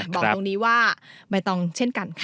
บอกตรงนี้ว่าใบตองเช่นกันค่ะ